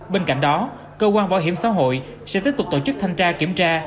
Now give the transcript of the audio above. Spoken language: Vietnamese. bên cạnh đó cơ quan bảo hiểm xã hội sẽ tiếp tục tổ chức thanh tra kiểm tra